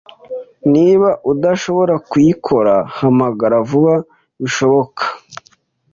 Niba udashobora kuyikora, hamagara vuba bishoboka.